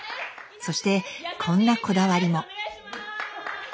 そしてこんなこだわりも。